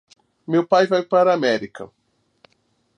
Meu pai vai para a América.